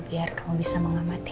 biar kamu bisa mengamati